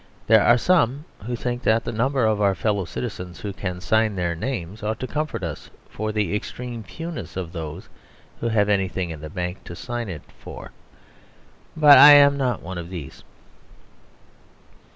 There are some who think that the number of our fellow citizens who can sign their names ought to comfort us for the extreme fewness of those who have anything in the bank to sign it for, but I am not one of these.